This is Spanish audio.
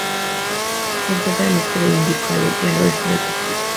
Se encuentra al este de Índico y al oeste del Pacífico.